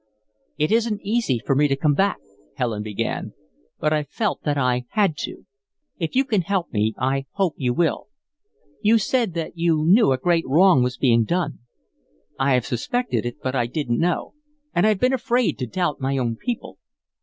"It isn't easy for me to come back," Helen began, "but I felt that I had to. If you can help me, I hope you will. You said that you knew a great wrong was being done. I have suspected it, but I didn't know, and I've been afraid to doubt my own people.